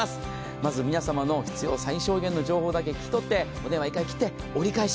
まず皆様の必要最小限の情報だけ引き取ってお電話を１回切って、折り返し。